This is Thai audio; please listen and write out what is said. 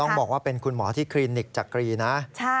บอกว่าเป็นคุณหมอที่คลินิกจักรีนะ